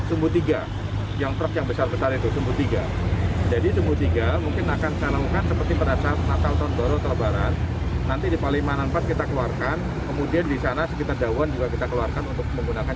untuk proses perbaikan pihak pengelola jalan tol menargetkan pengerjaan dilakukan hingga dua puluh hari mendatang